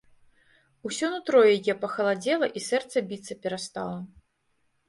Усё нутро яе пахаладзела, і сэрца біцца перастала.